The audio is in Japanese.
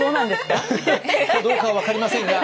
かどうかは分かりませんが。